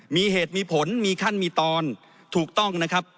มีเหตุมีผลมีขั้นมีตอนถูกต้องนะครับ